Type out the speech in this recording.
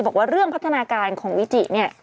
บอกว่าเรื่องพัฒนาการของวิจิเนี่ย